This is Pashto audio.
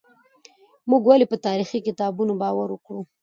موږ ولې په تاريخي کتابونو باور وکړو؟